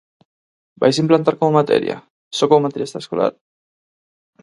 ¿Vaise implantar como materia?, ¿só como materia extraescolar?